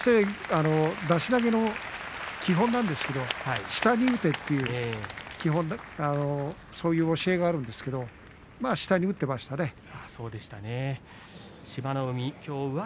出し投げの基本なんですけれど下に打てという教えがあるんですけれど下に打っていましたね。